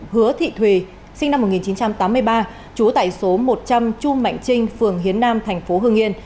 hứa thị thùy sinh năm một nghìn chín trăm tám mươi ba trú tại số một trăm linh chu mạnh trinh phường hiến nam thành phố hương yên